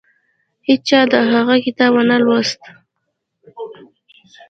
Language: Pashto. هیچا د هغه کتاب ونه لوست.